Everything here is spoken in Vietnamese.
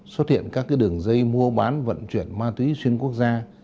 xuất hiện các đường dây mua bán vận chuyển ma túy xuyên quốc gia